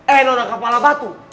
eh nona kapalabatu